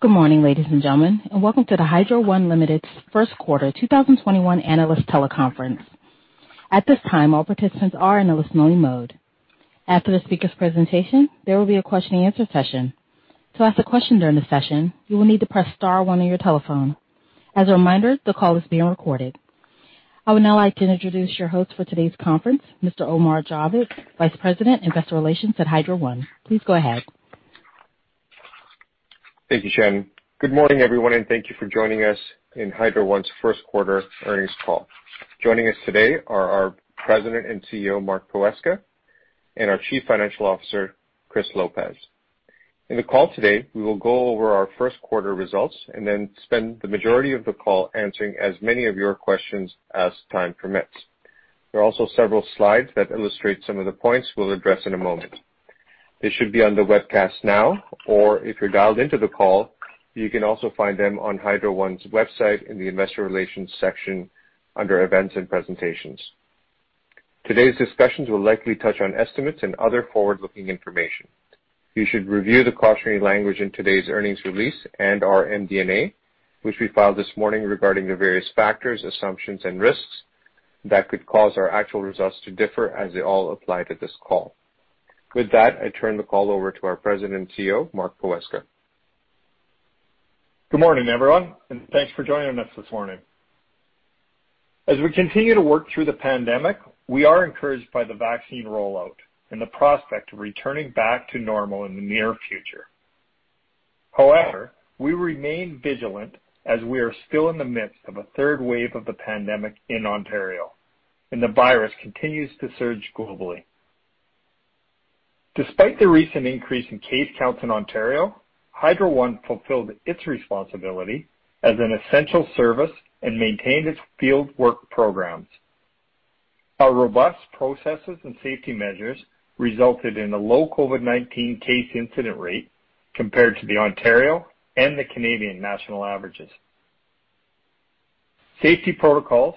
Good morning, ladies and gentlemen, and welcome to the Hydro One Limited's first quarter 2021 analyst teleconference. At this time all participants are in listen-only mode. After the speakers presentation, there will be a question-and-answer session. To ask a question during the session, you'll need to press star one on your telephone. As a reminder the call is being recorded. I would now like to introduce your host for today's conference, Mr. Omar Javed, Vice President, Investor Relations at Hydro One. Please go ahead. Thank you, Shannon. Good morning, everyone, thank you for joining us in Hydro One's first quarter earnings call. Joining us today are our President and CEO, Mark Poweska, our Chief Financial Officer, Chris Lopez. In the call today, we will go over our first quarter results. Then spend the majority of the call answering as many of your questions as time permits. There are also several slides that illustrate some of the points we'll address in a moment. They should be on the webcast now. If you're dialed into the call, you can also find them on Hydro One's website in the investor relations section under events and presentations. Today's discussions will likely touch on estimates and other forward-looking information. You should review the cautionary language in today's earnings release and our MD&A, which we filed this morning, regarding the various factors, assumptions, and risks that could cause our actual results to differ as they all apply to this call. With that, I turn the call over to our President and CEO, Mark Poweska. Good morning, everyone, thanks for joining us this morning. As we continue to work through the pandemic, we are encouraged by the vaccine rollout and the prospect of returning back to normal in the near future. However, we remain vigilant as we are still in the midst of a third wave of the pandemic in Ontario, and the virus continues to surge globally. Despite the recent increase in case counts in Ontario, Hydro One fulfilled its responsibility as an essential service and maintained its fieldwork programs. Our robust processes and safety measures resulted in a low COVID-19 case incident rate compared to the Ontario and the Canadian national averages. Safety protocols,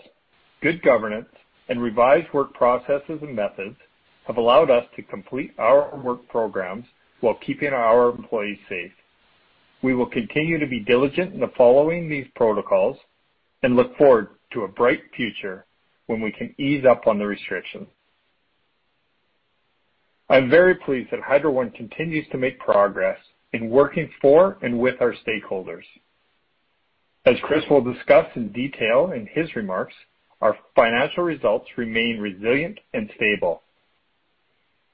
good governance, and revised work processes and methods have allowed us to complete our work programs while keeping our employees safe. We will continue to be diligent in following these protocols and look forward to a bright future when we can ease up on the restrictions. I'm very pleased that Hydro One continues to make progress in working for and with our stakeholders. As Chris will discuss in detail in his remarks, our financial results remain resilient and stable.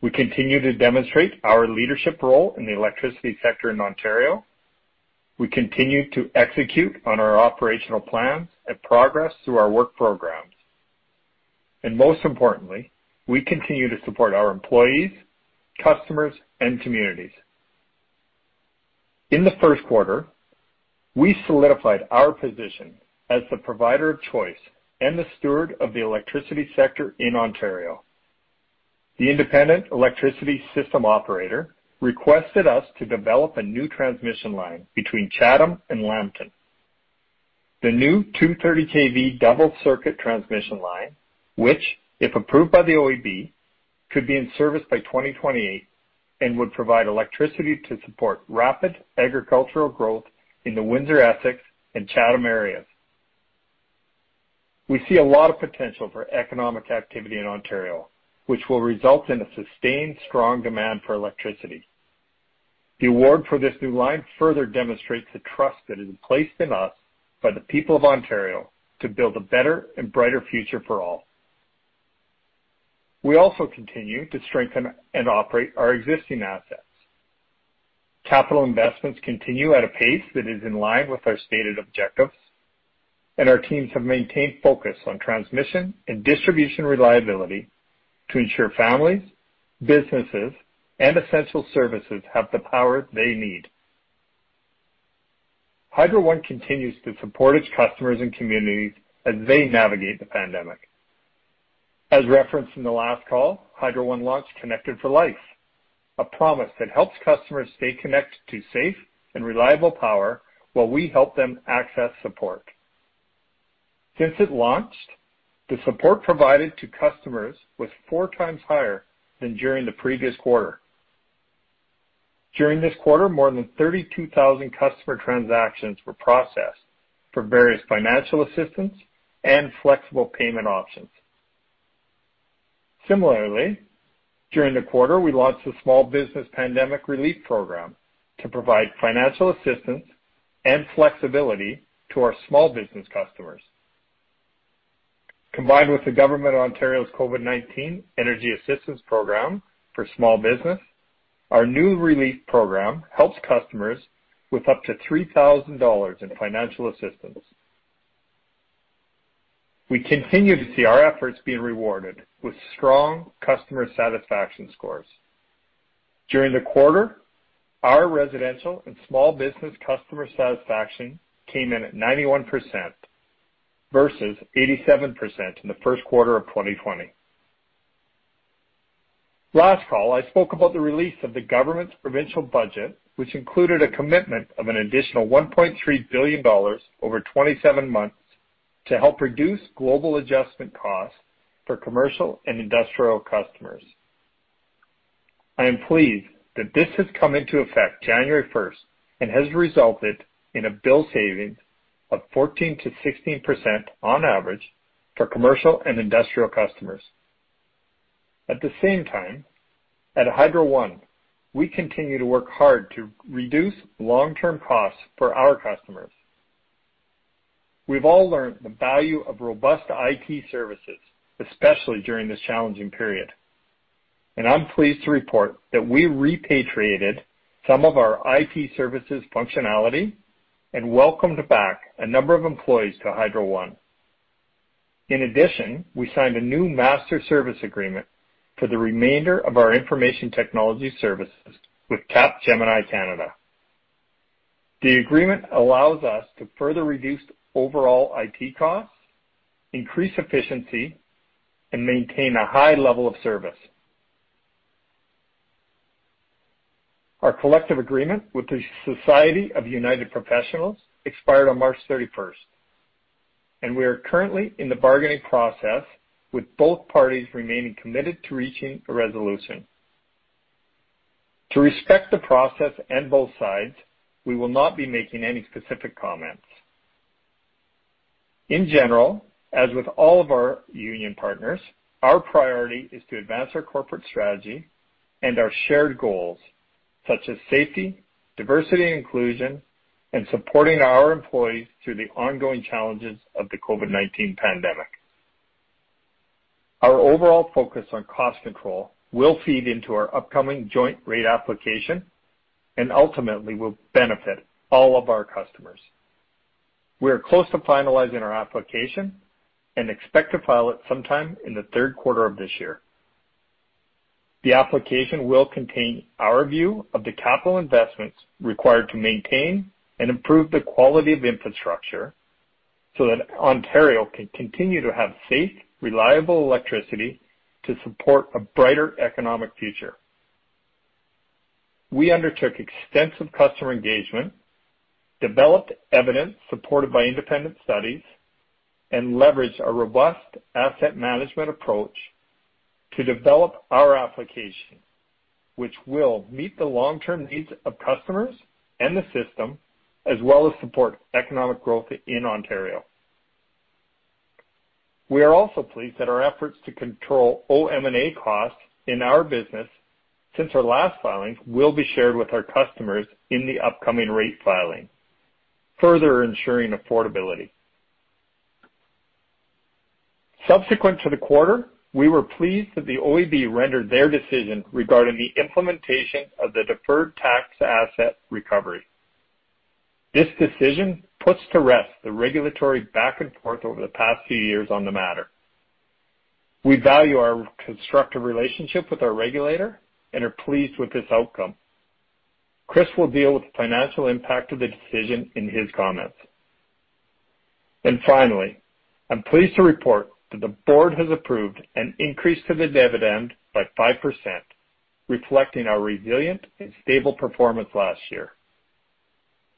We continue to demonstrate our leadership role in the electricity sector in Ontario. We continue to execute on our operational plans and progress through our work programs. Most importantly, we continue to support our employees, customers, and communities. In the first quarter, we solidified our position as the provider of choice and the steward of the electricity sector in Ontario. The Independent Electricity System Operator requested us to develop a new transmission line between Chatham and Lambton. The new 230 kV double circuit transmission line, which, if approved by the OEB, could be in service by 2028 and would provide electricity to support rapid agricultural growth in the Windsor-Essex and Chatham areas. We see a lot of potential for economic activity in Ontario, which will result in a sustained strong demand for electricity. The award for this new line further demonstrates the trust that is placed in us by the people of Ontario to build a better and brighter future for all. We also continue to strengthen and operate our existing assets. Capital investments continue at a pace that is in line with our stated objectives, and our teams have maintained focus on transmission and distribution reliability to ensure families, businesses, and essential services have the power they need. Hydro One continues to support its customers and communities as they navigate the pandemic. As referenced in the last call, Hydro One launched Connected for Life, a promise that helps customers stay connected to safe and reliable power while we help them access support. Since it launched, the support provided to customers was four times higher than during the previous quarter. During this quarter, more than 32,000 customer transactions were processed for various financial assistance and flexible payment options. Similarly, during the quarter, we launched a Small Business Pandemic Relief Program to provide financial assistance and flexibility to our small business customers. Combined with the Government of Ontario's COVID-19 Energy Assistance Program for small business, our new relief program helps customers with up to 3,000 dollars in financial assistance. We continue to see our efforts being rewarded with strong customer satisfaction scores. During the quarter, our residential and small business customer satisfaction came in at 91% versus 87% in the first quarter of 2020. Last call, I spoke about the release of the government's provincial budget, which included a commitment of an additional 1.3 billion dollars over 27 months, to help reduce Global Adjustment costs for commercial and industrial customers. I am pleased that this has come into effect January 1st and has resulted in a bill saving of 14%-16% on average for commercial and industrial customers. At the same time, at Hydro One, we continue to work hard to reduce long-term costs for our customers. We've all learned the value of robust IT services, especially during this challenging period. I'm pleased to report that we repatriated some of our IT services functionality and welcomed back a number of employees to Hydro One. In addition, we signed a new master service agreement for the remainder of our information technology services with Capgemini, Canada. The agreement allows us to further reduce overall IT costs, increase efficiency, and maintain a high level of service. Our collective agreement with the Society of United Professionals expired on March 31st. We are currently in the bargaining process with both parties remaining committed to reaching a resolution. To respect the process and both sides, we will not be making any specific comments. In general, as with all of our union partners, our priority is to advance our corporate strategy and our shared goals, such as safety, diversity, and inclusion, and supporting our employees through the ongoing challenges of the COVID-19 pandemic. Our overall focus on cost control will feed into our upcoming joint rate application and ultimately will benefit all of our customers. We are close to finalizing our application and expect to file it sometime in the third quarter of this year. The application will contain our view of the capital investments required to maintain and improve the quality of infrastructure so that Ontario can continue to have safe, reliable electricity to support a brighter economic future. We undertook extensive customer engagement, developed evidence supported by independent studies, and leveraged a robust asset management approach to develop our application, which will meet the long-term needs of customers and the system, as well as support economic growth in Ontario. We are also pleased that our efforts to control OM&A costs in our business since our last filing will be shared with our customers in the upcoming rate filing, further ensuring affordability. Subsequent to the quarter, we were pleased that the OEB rendered their decision regarding the implementation of the deferred tax asset recovery. This decision puts to rest the regulatory back and forth over the past few years on the matter. We value our constructive relationship with our regulator and are pleased with this outcome. Chris will deal with the financial impact of the decision in his comments. Finally, I'm pleased to report that the board has approved an increase to the dividend by 5%, reflecting our resilient and stable performance last year.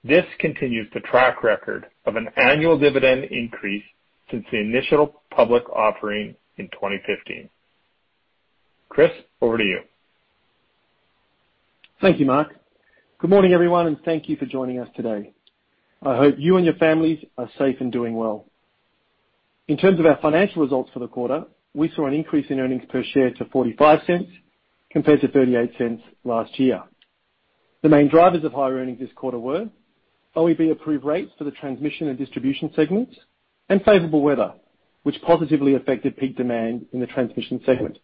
This continues the track record of an annual dividend increase since the initial public offering in 2015. Chris, over to you. Thank you, Mark. Good morning, everyone, and thank you for joining us today. I hope you and your families are safe and doing well. In terms of our financial results for the quarter, we saw an increase in earnings per share to 0.45, compared to 0.38 last year. The main drivers of higher earnings this quarter were OEB-approved rates for the transmission and distribution segments and favorable weather, which positively affected peak demand in the transmission segment.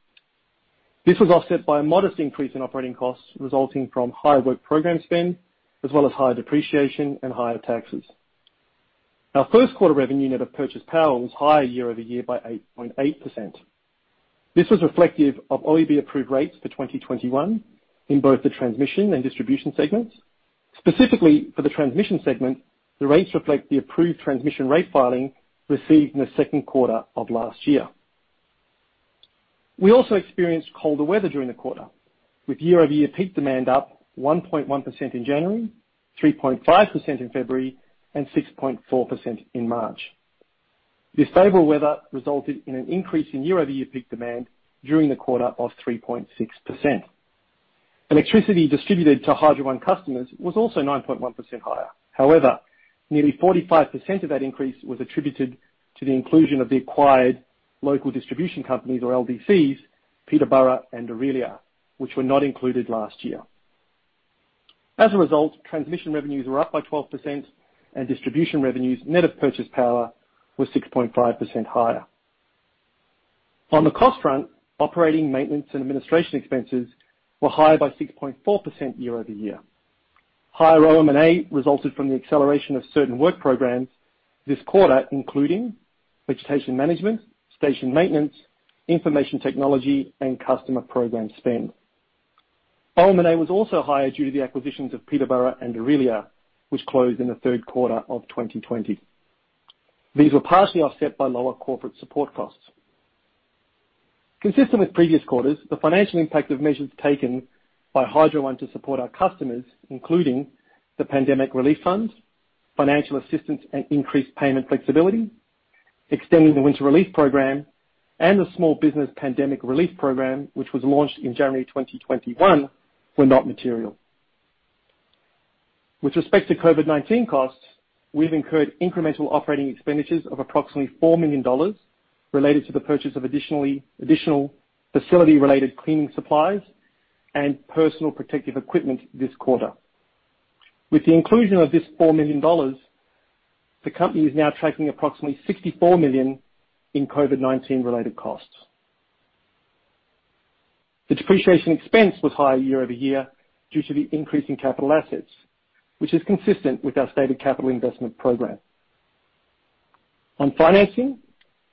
This was offset by a modest increase in operating costs resulting from higher work program spend, as well as higher depreciation and higher taxes. Our first quarter revenue net of purchase power was higher year-over-year by 8.8%. This was reflective of OEB-approved rates for 2021 in both the transmission and distribution segments. Specifically, for the transmission segment, the rates reflect the approved transmission rate filing received in the second quarter of last year. We also experienced colder weather during the quarter, with year-over-year peak demand up 1.1% in January, 3.5% in February, and 6.4% in March. This favorable weather resulted in an increase in year-over-year peak demand during the quarter of 3.6%. Electricity distributed to Hydro One customers was also 9.1% higher. However, nearly 45% of that increase was attributed to the inclusion of the acquired local distribution companies or LDCs, Peterborough and Orillia, which were not included last year. As a result, transmission revenues were up by 12% and distribution revenues, net of purchase power, was 6.5% higher. On the cost front, operating maintenance and administration expenses were higher by 6.4% year-over-year. Higher OM&A resulted from the acceleration of certain work programs this quarter, including vegetation management, station maintenance, information technology, and customer program spend. OM&A was also higher due to the acquisitions of Peterborough and Orillia, which closed in the third quarter of 2020. These were partially offset by lower corporate support costs. Consistent with previous quarters, the financial impact of measures taken by Hydro One to support our customers, including the Pandemic Relief Fund, financial assistance and increased payment flexibility, extending the Winter Relief Program, and the Small Business Pandemic Relief Program, which was launched in January 2021, were not material. With respect to COVID-19 costs, we've incurred incremental operating expenditures of approximately 4 million dollars related to the purchase of additional facility-related cleaning supplies and personal protective equipment this quarter. With the inclusion of this 4 million dollars, the company is now tracking approximately 64 million in COVID-19 related costs. The depreciation expense was higher year-over-year due to the increase in capital assets, which is consistent with our stated capital investment program. Financing,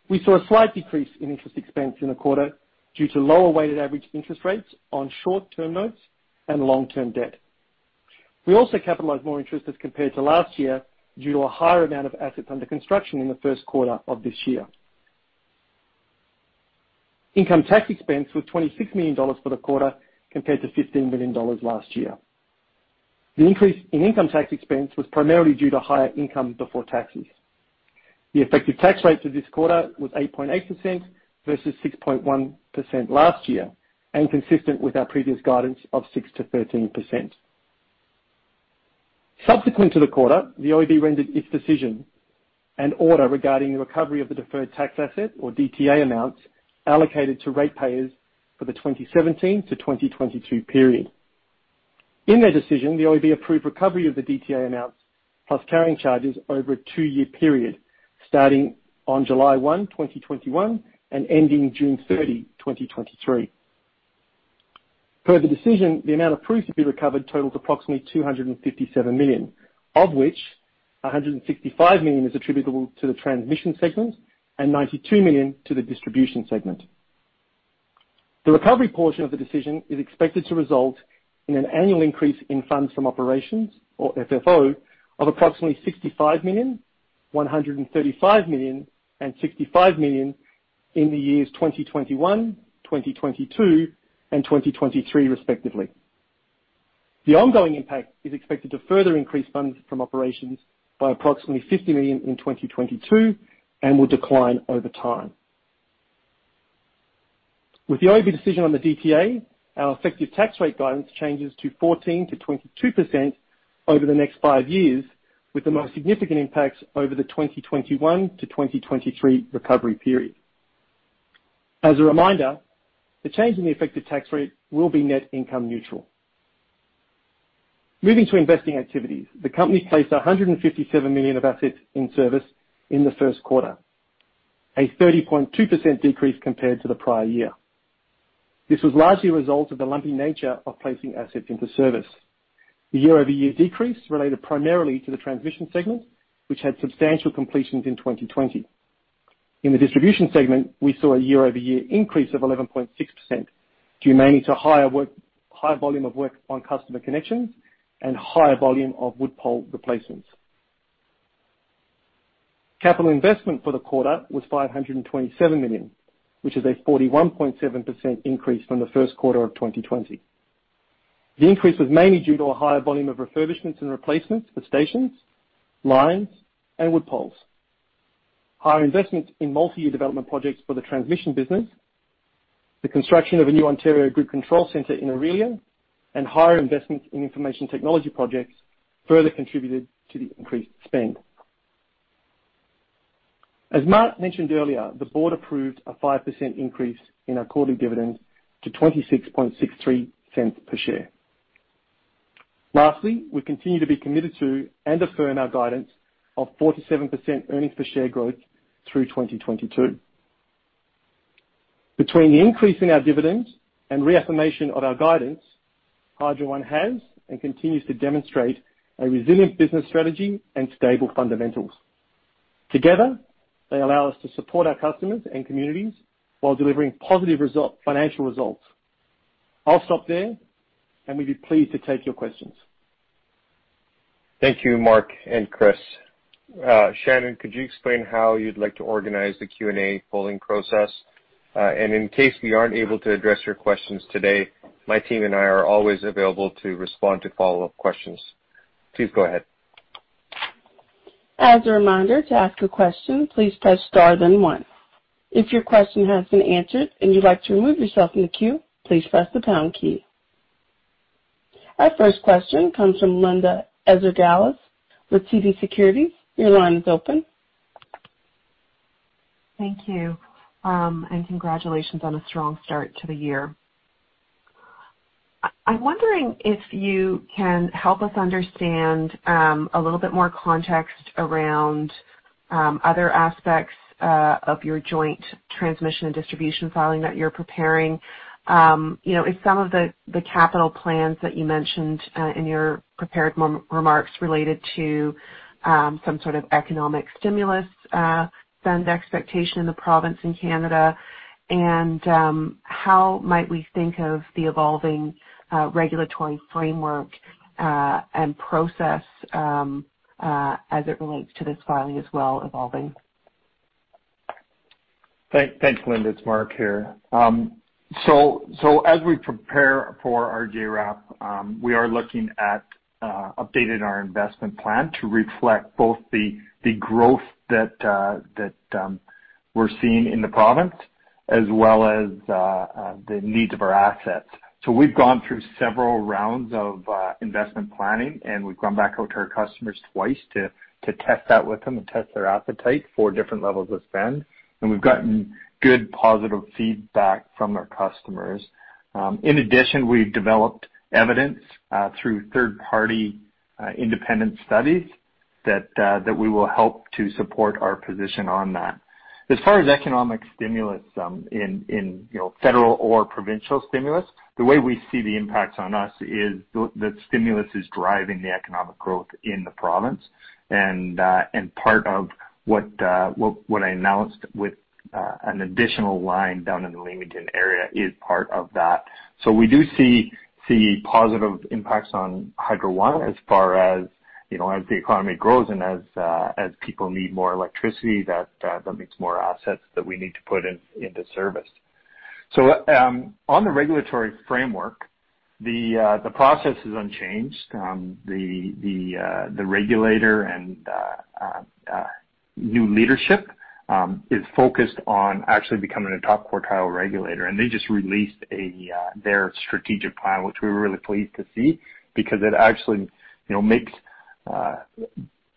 we saw a slight decrease in interest expense in the quarter due to lower weighted average interest rates on short-term notes and long-term debt. We also capitalized more interest as compared to last year due to a higher amount of assets under construction in the first quarter of this year. Income tax expense was 26 million dollars for the quarter, compared to 15 million dollars last year. The increase in income tax expense was primarily due to higher income before taxes. The effective tax rate for this quarter was 8.8% versus 6.1% last year, and consistent with our previous guidance of 6%-13%. Subsequent to the quarter, the OEB rendered its decision and order regarding the recovery of the deferred tax asset, or DTA, amounts allocated to ratepayers for the 2017 to 2022 period. In their decision, the OEB approved recovery of the DTA amounts plus carrying charges over a two-year period starting on July 1, 2021, and ending June 30, 2023. Per the decision, the amount approved to be recovered totals approximately 257 million, of which 165 million is attributable to the transmission segment and 92 million to the distribution segment. The recovery portion of the decision is expected to result in an annual increase in funds from operations, or FFO, of approximately 65 million, 135 million, and 65 million in the years 2021, 2022, and 2023, respectively. The ongoing impact is expected to further increase funds from operations by approximately 50 million in 2022 and will decline over time. With the OEB decision on the DTA, our effective tax rate guidance changes to 14%-22% over the next five years, with the most significant impacts over the 2021-2023 recovery period. As a reminder, the change in the effective tax rate will be net income neutral. Moving to investing activities. The company placed 157 million of assets in service in the first quarter, a 30.2% decrease compared to the prior year. This was largely a result of the lumpy nature of placing assets into service. The year-over-year decrease related primarily to the transmission segment, which had substantial completions in 2020. In the distribution segment, we saw a year-over-year increase of 11.6%, due mainly to high volume of work on customer connections and higher volume of wood pole replacements. Capital investment for the quarter was 527 million, which is a 41.7% increase from the first quarter of 2020. The increase was mainly due to a higher volume of refurbishments and replacements for stations, lines, and wood poles. Higher investment in multi-year development projects for the transmission business, the construction of a new Ontario Grid Control Centre in Orillia, and higher investments in information technology projects further contributed to the increased spend. As Mark mentioned earlier, the board approved a 5% increase in our quarterly dividends to 0.2663 per share. Lastly, we continue to be committed to and affirm our guidance of 47% earnings per share growth through 2022. Between the increase in our dividends and reaffirmation of our guidance, Hydro One has and continues to demonstrate a resilient business strategy and stable fundamentals. Together, they allow us to support our customers and communities while delivering positive financial results. I'll stop there, and we'd be pleased to take your questions. Thank you, Mark and Chris. Shannon, could you explain how you'd like to organize the Q&A polling process? In case we aren't able to address your questions today, my team and I are always available to respond to follow-up questions. Please go ahead. As a reminder to ask a question, please press star then one. If your question has been answered and you'd like to remove yourself from the queue please press the pound key. Our first question comes from Linda Ezergailis with TD Securities. Your line is open. Thank you. Congratulations on a strong start to the year. I am wondering if you can help us understand a little bit more context around other aspects of your joint transmission and distribution filing that you are preparing. If some of the capital plans that you mentioned in your prepared remarks related to some sort of economic stimulus fund expectation in the province in Canada? How might we think of the evolving regulatory framework and process as it relates to this filing as well evolving? Thanks, Linda. It's Mark here. As we prepare for our JRAP, we are looking at updating our investment plan to reflect both the growth that we're seeing in the province as well as the needs of our assets. We've gone through several rounds of investment planning, and we've gone back out to our customers twice to test that with them and test their appetite for different levels of spend. We've gotten good, positive feedback from our customers. In addition, we've developed evidence through third-party independent studies that we will help to support our position on that. As far as economic stimulus in federal or provincial stimulus, the way we see the impacts on us is that stimulus is driving the economic growth in the province. Part of what I announced with an additional line down in the Leamington area is part of that. We do see positive impacts on Hydro One as far as the economy grows and as people need more electricity, that makes more assets that we need to put into service. On the regulatory framework, the process is unchanged. The regulator and new leadership is focused on actually becoming a top quartile regulator. They just released their strategic plan, which we were really pleased to see because it actually makes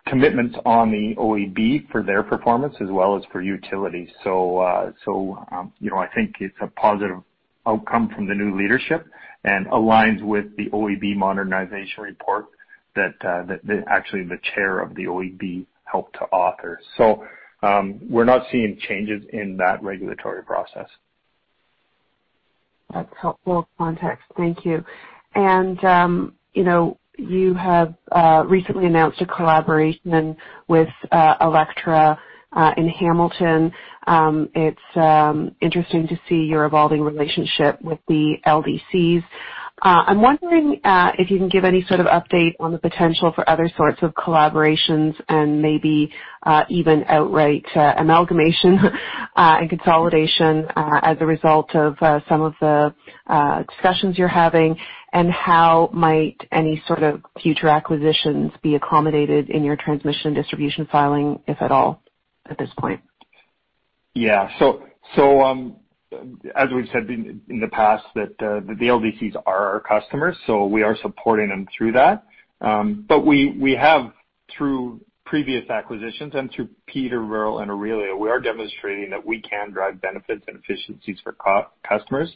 commitments on the OEB for their performance as well as for utilities. I think it's a positive outcome from the new leadership and aligns with the OEB modernization report that actually the chair of the OEB helped to author. We're not seeing changes in that regulatory process. That's helpful context. Thank you. You have recently announced a collaboration with Alectra in Hamilton. It's interesting to see your evolving relationship with the LDCs. I'm wondering if you can give any sort of update on the potential for other sorts of collaborations and maybe even outright amalgamation and consolidation as a result of some of the discussions you're having, and how might any sort of future acquisitions be accommodated in your transmission distribution filing, if at all, at this point? Yeah. As we've said in the past that the LDCs are our customers, so we are supporting them through that. We have, through previous acquisitions and through Peterborough and Orillia, we are demonstrating that we can drive benefits and efficiencies for customers.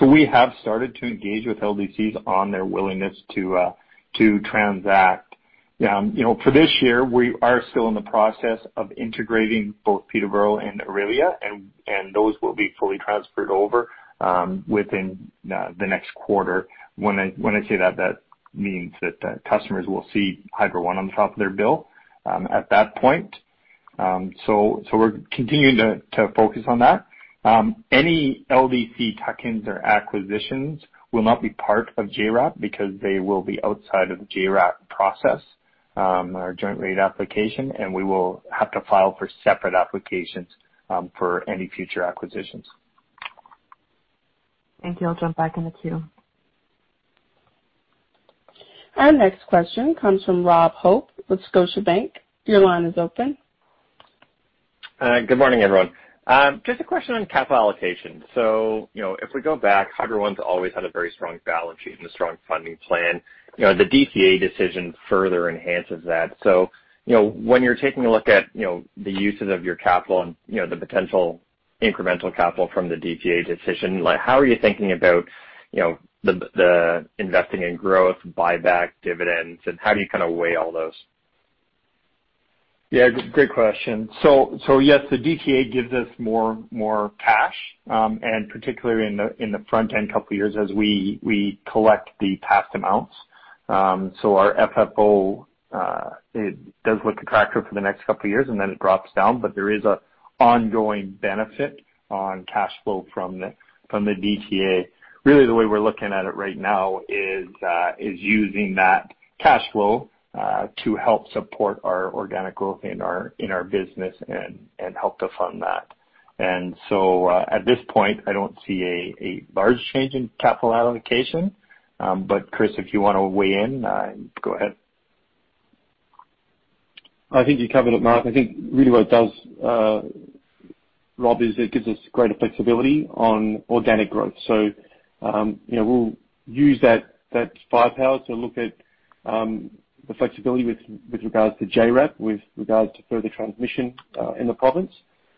We have started to engage with LDCs on their willingness to transact. For this year, we are still in the process of integrating both Peterborough and Orillia, and those will be fully transferred over within the next quarter. When I say that means that the customers will see Hydro One on the top of their bill at that point. We're continuing to focus on that. Any LDC tuck-ins or acquisitions will not be part of JRAP because they will be outside of the JRAP process, our joint rate application, and we will have to file for separate applications for any future acquisitions. Thank you. I'll jump back in the queue. Our next question comes from Rob Hope with Scotiabank. Your line is open. Good morning, everyone. Just a question on capital allocation. If we go back, Hydro One's always had a very strong balance sheet and a strong funding plan. The DTA decision further enhances that. When you're taking a look at the uses of your capital and the potential incremental capital from the DTA decision, how are you thinking about the investing in growth, buyback dividends, and how do you kind of weigh all those? Yeah, great question. Yes, the DTA gives us more cash, and particularly in the front-end couple of years as we collect the past amounts. Our FFO, it does look attractive for the next couple of years, and then it drops down, but there is an ongoing benefit on cash flow from the DTA. Really the way we're looking at it right now is using that cash flow to help support our organic growth in our business and help to fund that. At this point, I don't see a large change in capital allocation. Chris, if you want to weigh in, go ahead. I think you covered it, Mark. I think really what it does, Rob, is it gives us greater flexibility on organic growth. We'll use that firepower to look at the flexibility with regards to JRAP, with regards to further transmission in the province,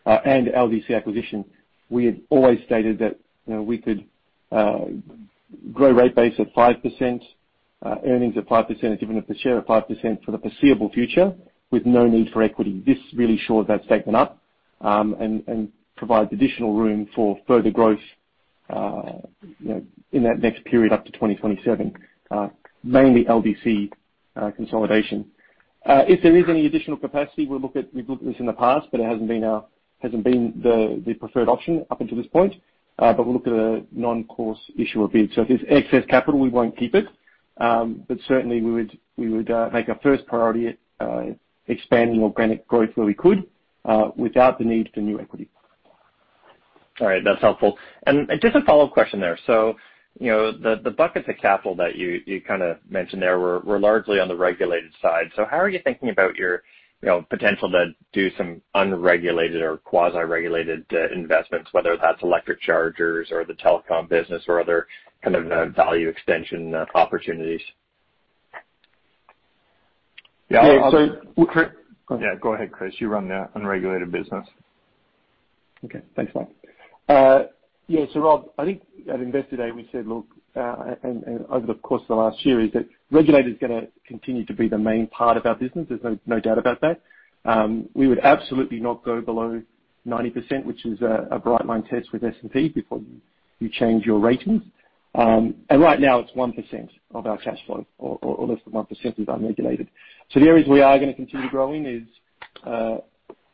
and LDC acquisition. We had always stated that we could grow rate base at 5%, earnings at 5%, a dividend per share of 5% for the foreseeable future with no need for equity. This really shores that statement up and provides additional room for further growth in that next period up to 2027, mainly LDC consolidation. If there is any additional capacity, we've looked at this in the past, but it hasn't been the preferred option up until this point. We'll look at a normal course issuer bid. If there's excess capital, we won't keep it. Certainly, we would make our first priority expanding organic growth where we could, without the need for new equity. All right, that's helpful. Just a follow-up question there. The buckets of capital that you mentioned there were largely on the regulated side. How are you thinking about your potential to do some unregulated or quasi-regulated investments, whether that's electric chargers or the telecom business or other kind of value extension opportunities? Yeah. Chris- Yeah, go ahead, Chris. You run the unregulated business. Okay. Thanks, Mark. Rob, I think at Investor Day we said, look, and over the course of the last year, is that regulated is going to continue to be the main part of our business. There's no doubt about that. We would absolutely not go below 90%, which is a bright line test with S&P before you change your ratings. Right now it's 1% of our cash flow, or less than 1%, is unregulated. The areas we are going to continue growing is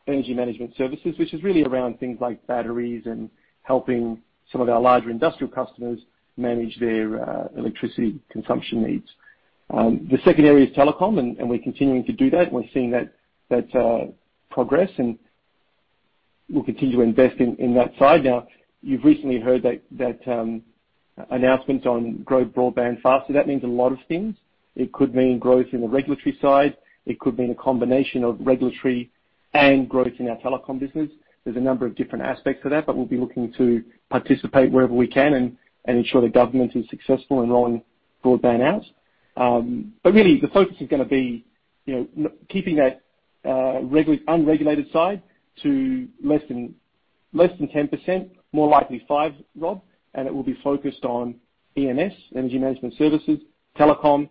energy management services, which is really around things like batteries and helping some of our larger industrial customers manage their electricity consumption needs. The second area is telecom, and we're continuing to do that, and we're seeing that progress, and we'll continue to invest in that side. You've recently heard that announcement on Building Broadband Faster Act. That means a lot of things. It could mean growth in the regulatory side. It could mean a combination of regulatory and growth in our telecom business. There's a number of different aspects to that, but we'll be looking to participate wherever we can and ensure the government is successful in rolling broadband out. Really, the focus is going to be keeping that unregulated side to less than 10%, more likely 5%, Rob, and it will be focused on EMS, energy management services, telecom.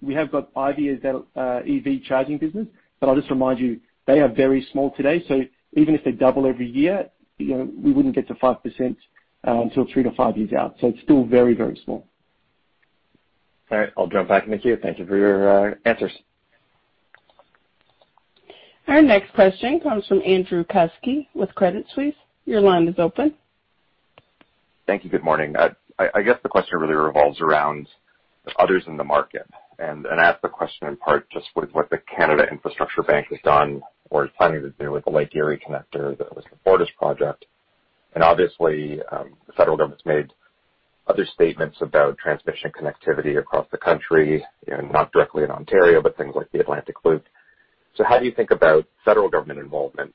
We have got ideas, EV charging business, but I'll just remind you, they are very small today, so even if they double every year, we wouldn't get to 5% until three to five years out. It's still very, very small. All right, I'll jump back in the queue. Thank you for your answers. Our next question comes from Andrew Kuske with Credit Suisse. Your line is open. Thank you. Good morning. I guess the question really revolves around others in the market. I ask the question in part just with what the Canada Infrastructure Bank has done or is planning to do with the Lake Erie Connector, that was the borders project. Obviously, the federal government's made other statements about transmission connectivity across the country, not directly in Ontario, but things like the Atlantic Loop. How do you think about federal government involvement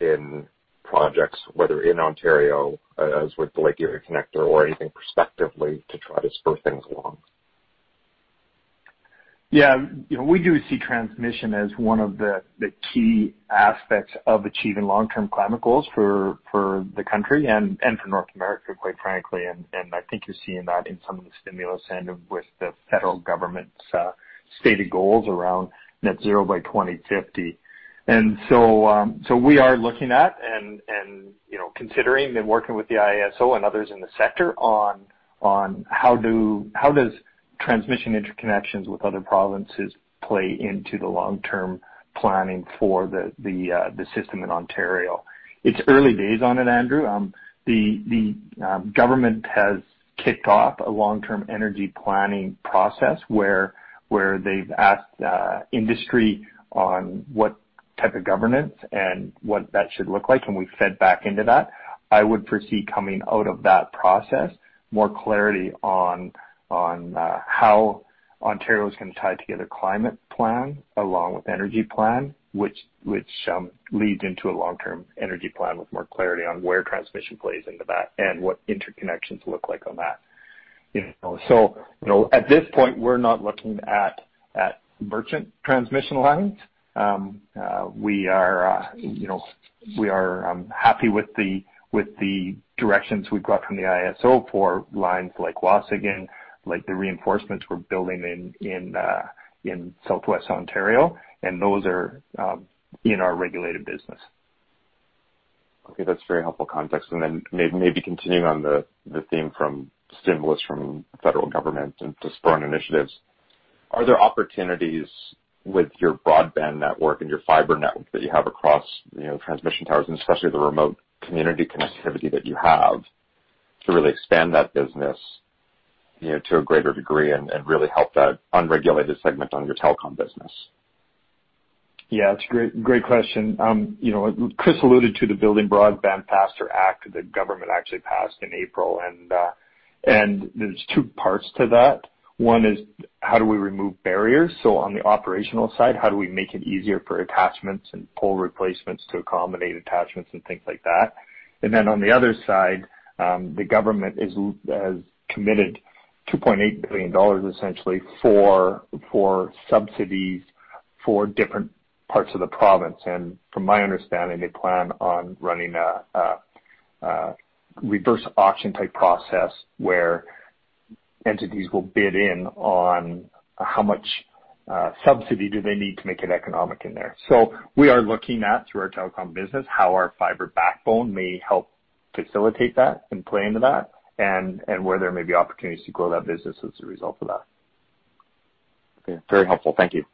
in projects, whether in Ontario, as with the Lake Erie Connector or anything prospectively to try to spur things along? Yeah. We do see transmission as one of the key aspects of achieving long-term climate goals for the country and for North America, quite frankly. I think you're seeing that in some of the stimulus and with the federal government's stated goals around net zero by 2050. We are looking at and considering and working with the IESO and others in the sector on how does transmission interconnections with other provinces play into the long-term planning for the system in Ontario. It's early days on it, Andrew. The government has kicked off a long-term energy planning process where they've asked industry on what type of governance and what that should look like, and we fed back into that. I would foresee coming out of that process, more clarity on how Ontario's going to tie together climate plan along with energy plan, which leads into a long-term energy plan with more clarity on where transmission plays into that and what interconnections look like on that. At this point, we're not looking at merchant transmission lines. We are happy with the directions we've got from the IESO for lines like Waasigan, like the reinforcements we're building in Southwest Ontario, and those are in our regulated business. Okay. That's very helpful context. Maybe continuing on the theme from stimulus from federal government and to spur on initiatives. Are there opportunities with your broadband network and your fiber network that you have across transmission towers, and especially the remote community connectivity that you have, to really expand that business to a greater degree and really help that unregulated segment on your telecom business? It's a great question. Chris alluded to the Building Broadband Faster Act the government actually passed in April, there's two parts to that. One is how do we remove barriers? On the operational side, how do we make it easier for attachments and pole replacements to accommodate attachments and things like that? On the other side, the government has committed 2.8 billion dollars, essentially, for subsidies for different parts of the province. From my understanding, they plan on running a reverse auction-type process where entities will bid in on how much subsidy do they need to make it economic in there. We are looking at, through our telecom business, how our fiber backbone may help facilitate that and play into that and where there may be opportunities to grow that business as a result of that. Okay. Very helpful. Thank you.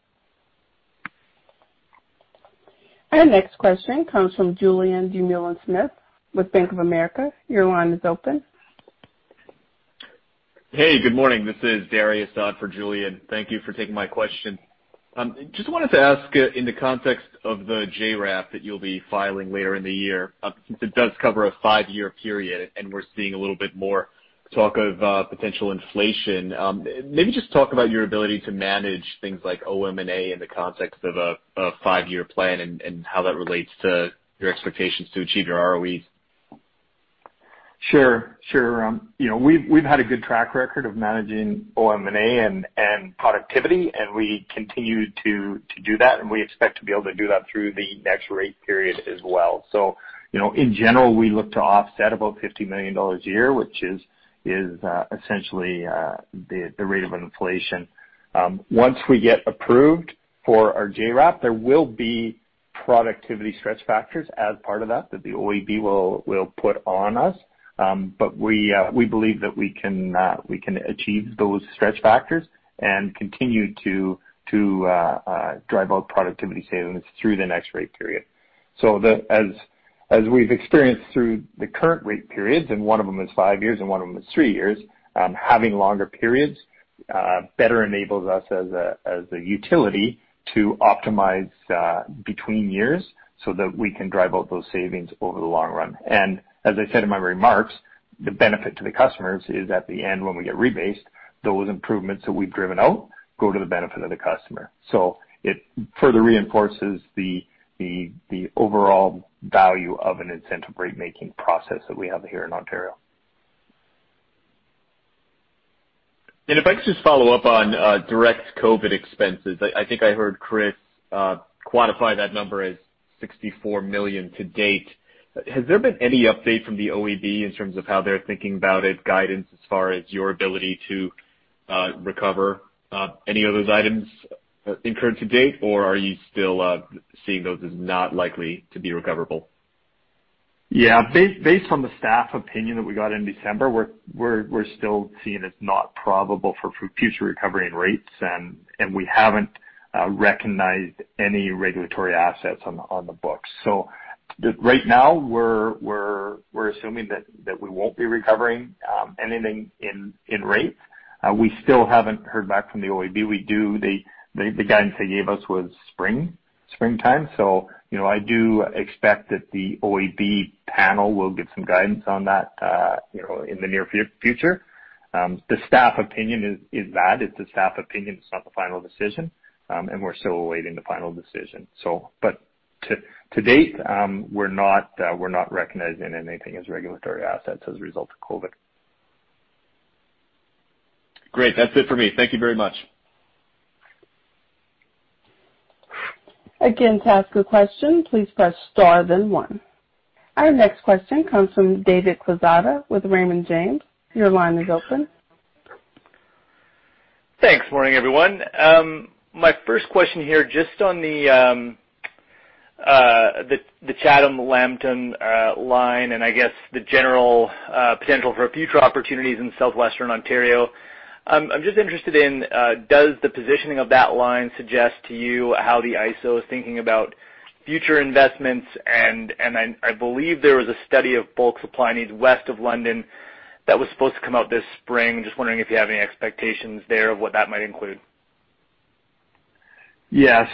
Our next question comes from Julien Dumoulin-Smith with Bank of America. Your line is open. Hey, good morning. This is Dariusz Lozny for Julien. Thank you for taking my question. Just wanted to ask in the context of the JRAP that you'll be filing later in the year, since it does cover a five-year period and we're seeing a little bit more talk of potential inflation, maybe just talk about your ability to manage things like OM&A in the context of a five-year plan and how that relates to your expectations to achieve your ROEs. Sure. We've had a good track record of managing OM&A and productivity, and we continue to do that, and we expect to be able to do that through the next rate period as well. In general, we look to offset about 50 million dollars a year, which is essentially the rate of inflation. Once we get approved for our JRAP, there will be productivity stretch factors as part of that the OEB will put on us. We believe that we can achieve those stretch factors and continue to drive out productivity savings through the next rate period. As we've experienced through the current rate periods, and one of them is five years and one of them is three years, having longer periods better enables us as a utility to optimize between years so that we can drive out those savings over the long run. As I said in my remarks, the benefit to the customers is at the end, when we get rebased, those improvements that we've driven out go to the benefit of the customer. It further reinforces the overall value of an incentive rate-making process that we have here in Ontario. If I could just follow up on direct COVID expenses. I think I heard Chris quantify that number as 64 million to date. Has there been any update from the OEB in terms of how they're thinking about its guidance as far as your ability to recover any of those items incurred to date? Or are you still seeing those as not likely to be recoverable? Based on the staff opinion that we got in December, we're still seen as not probable for future recovery and rates, and we haven't recognized any regulatory assets on the books. Right now, we're assuming that we won't be recovering anything in rates. We still haven't heard back from the OEB. The guidance they gave us was springtime. I do expect that the OEB panel will give some guidance on that in the near future. The staff opinion is that. It's the staff opinion, it's not the final decision, and we're still awaiting the final decision. To date, we're not recognizing anything as regulatory assets as a result of COVID. Great. That's it for me. Thank you very much. Again, to ask a question, please press star then one. Our next question comes from David Quezada with Raymond James. Your line is open. Thanks. Morning, everyone. My first question here, just on the Chatham-Lambton line and I guess the general potential for future opportunities in southwestern Ontario. I'm just interested in, does the positioning of that line suggest to you how the IESO is thinking about future investments? And I believe there was a study of bulk supply needs west of London that was supposed to come out this spring. Just wondering if you have any expectations there of what that might include. Yeah.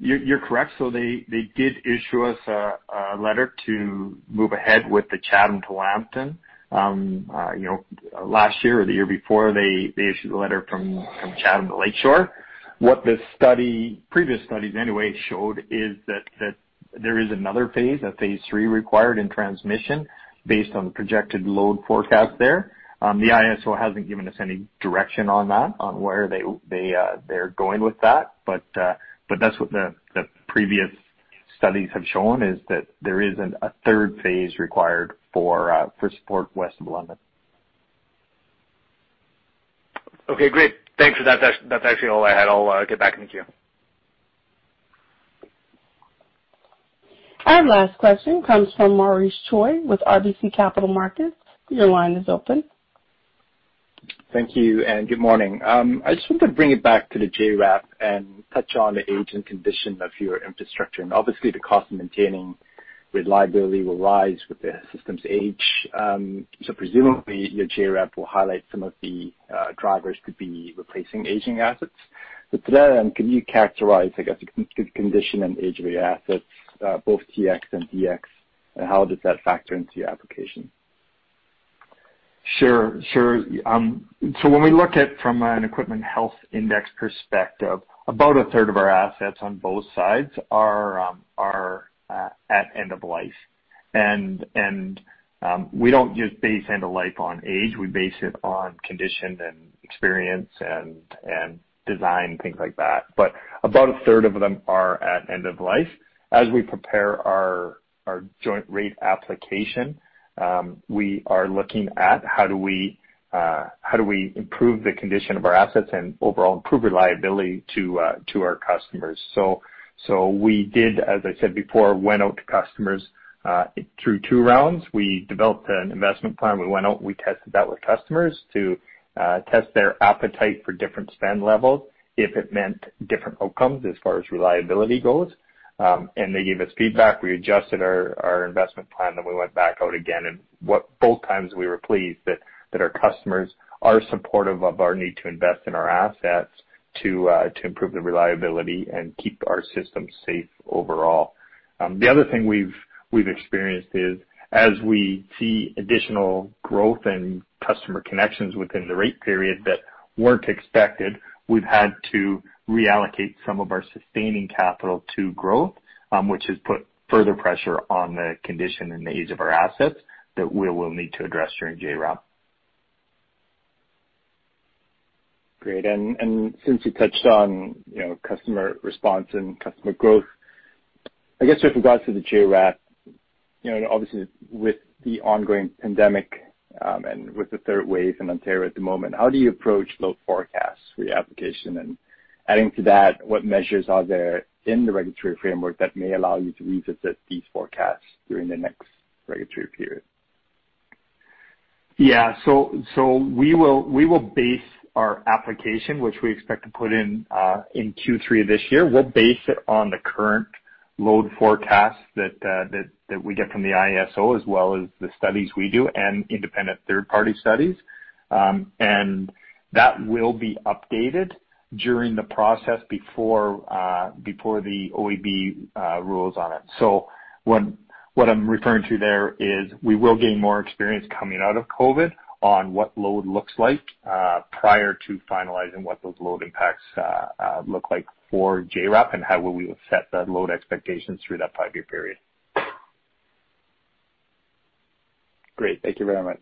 You're correct. They did issue us a letter to move ahead with the Chatham to Lambton. Last year or the year before, they issued a letter from Chatham to Lakeshore. What the previous studies anyway showed is that there is another phase, a phase III required in transmission based on the projected load forecast there. The IESO hasn't given us any direction on that, on where they're going with that. That's what the previous studies have shown, is that there is a third phase required for support west of London. Okay, great. Thanks for that. That's actually all I had. I'll get back in the queue. Our last question comes from Maurice Choy with RBC Capital Markets. Your line is open. Thank you, and good morning. I just wanted to bring it back to the JRAP and touch on the age and condition of your infrastructure. Obviously the cost of maintaining reliability will rise with the system's age. Presumably, your JRAP will highlight some of the drivers to be replacing aging assets. To that end, can you characterize, I guess, the condition and age of your assets, both TX and DX, and how does that factor into your application? Sure. When we look at from an equipment health index perspective, about a third of our assets on both sides are at end of life. We don't just base end of life on age, we base it on condition and experience and design, things like that. About a third of them are at end of life. As we prepare our joint rate application, we are looking at how do we improve the condition of our assets and overall improve reliability to our customers. We did, as I said before, went out to customers, through two rounds. We developed an investment plan. We went out, we tested that with customers to test their appetite for different spend levels if it meant different outcomes as far as reliability goes. They gave us feedback. We adjusted our investment plan, then we went back out again. Both times, we were pleased that our customers are supportive of our need to invest in our assets to improve the reliability and keep our systems safe overall. The other thing we have experienced is as we see additional growth and customer connections within the rate period that were not expected, we have had to reallocate some of our sustaining capital to growth, which has put further pressure on the condition and the age of our assets that we will need to address during JRAP. Great. Since you touched on customer response and customer growth, I guess with regards to the JRAP, obviously with the ongoing pandemic, and with the third wave in Ontario at the moment, how do you approach those forecasts for your application? Adding to that, what measures are there in the regulatory framework that may allow you to revisit these forecasts during the next regulatory period? Yeah. We will base our application, which we expect to put in Q3 this year. We will base it on the current load forecast that we get from the IESO as well as the studies we do and independent third-party studies. That will be updated during the process before the OEB rules on it. What I am referring to there is we will gain more experience coming out of COVID on what load looks like prior to finalizing what those load impacts look like for JRAP, and how will we set the load expectations through that five-year period. Great. Thank you very much.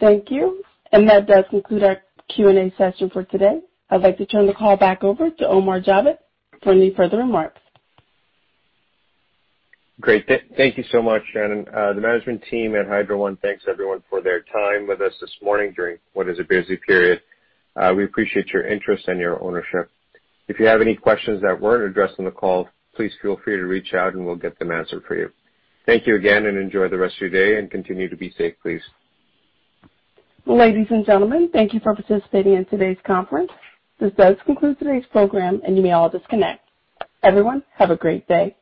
Thank you. That does conclude our Q&A session for today. I'd like to turn the call back over to Omar Javed for any further remarks. Great. Thank you so much, Shannon. The management team at Hydro One thanks everyone for their time with us this morning during what is a busy period. We appreciate your interest and your ownership. If you have any questions that weren't addressed on the call, please feel free to reach out and we'll get them answered for you. Thank you again, and enjoy the rest of your day, and continue to be safe, please. Ladies and gentlemen, thank you for participating in today's conference. This does conclude today's program, and you may all disconnect. Everyone, have a great day.